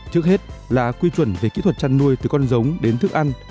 trước hết là quy chuẩn về kỹ thuật chăn nuôi từ con giống đến thức ăn